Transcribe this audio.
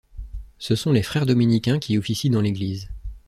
Ce sont les frères dominicains qui officient dans l'église.